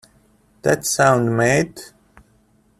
That's sound mate.